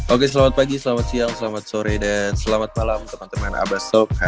oke selamat pagi selamat siang selamat sore dan selamat malam teman teman abasok